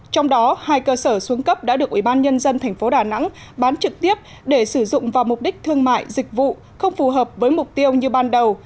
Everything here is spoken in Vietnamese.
trong đó hai cơ sở xuống cấp đã được ủy ban nhân dân tp đà nẵng bán trực tiếp để sử dụng vào mục đích thương mại dịch vụ không phù hợp với mục tiêu như ban đầu